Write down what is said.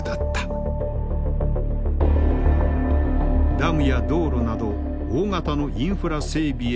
ダムや道路など大型のインフラ整備への融資を加速。